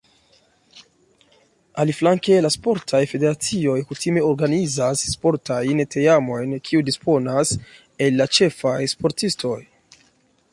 Aliflanke, la sportaj federacioj kutime organizas sportajn teamojn, kiuj disponas el la ĉefaj sportistoj.